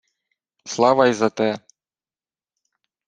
— Слава й за те.